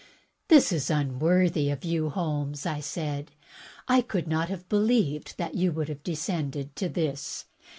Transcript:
"This is unworthy of you. Holmes," I said. "I could not have believed that you would have descended to this.